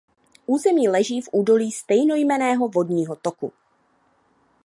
Území leží v údolí stejnojmenného vodního toku.